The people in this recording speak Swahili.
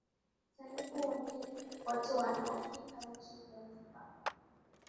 sanifu wageni wote wanaofika nchini Zanziba